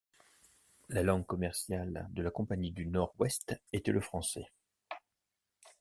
La langue commerciale de la Compagnie du Nord-Ouest était le français.